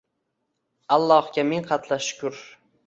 Allohga ming qatla shukr